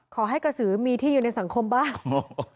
กระสือมีที่อยู่ในสังคมบ้าง